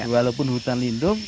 walaupun hutan lindung